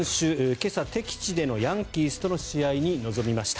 今朝、敵地でのヤンキースとの試合に臨みました。